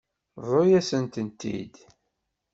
Bḍu-yasent-tent-id.